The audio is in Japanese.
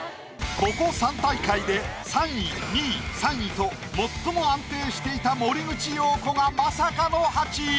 ここ３大会で３位２位３位と最も安定していた森口瑤子がまさかの８位。